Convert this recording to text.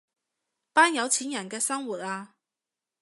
班有錢人嘅生活啊